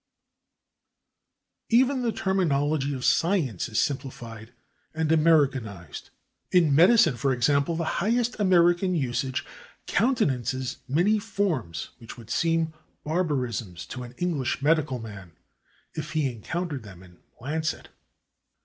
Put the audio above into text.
Even the terminology of science is simplified and Americanized. In medicine, for example, the highest American usage countenances many forms which would seem barbarisms to an English medical man if he encountered them in the /Lancet